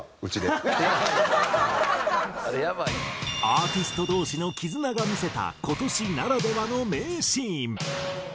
アーティスト同士の絆が見せた今年ならではの名シーン。